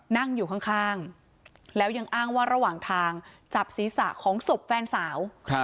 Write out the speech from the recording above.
นั่งอยู่ข้างแล้วยังอ้างว่าระหว่างทางจับศีรษะของศพแฟนสาว